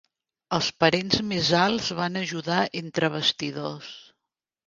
Els parents més alts van ajudar entre bastidors.